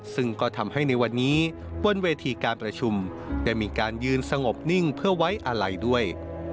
ซึ่งก็ทำให้ในวันนี้บนเวทีการประชุมได้มีการยืนสงบนิ่งเพื่อไว้อาลัยด้วย